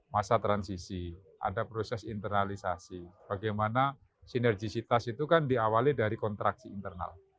masa transisi ada proses internalisasi bagaimana sinergisitas itu kan diawali dari kontraksi internal